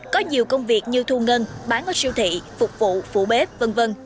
có nhiều công việc như thu ngân bán ở siêu thị phục vụ phủ bếp v v